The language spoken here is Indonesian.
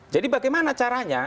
jadi bagaimana caranya